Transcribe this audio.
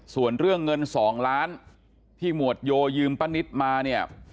ส่วนเรื่องเงิน๒ล้านที่หมวดโยยืมป้านิตมาเนี่ย